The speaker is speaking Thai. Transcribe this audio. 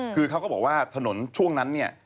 คือเขาก็บอกว่าถนนช่วงนั้นเนี่ย